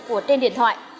của trên điện thoại